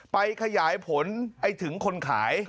ไปขยายผลไอ้ถึงคนขาย